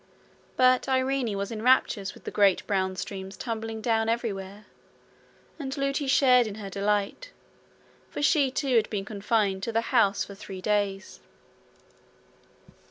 But Irene was in raptures with the great brown streams tumbling down everywhere; and Lootie shared in her delight, for she too had been confined to the house for three days.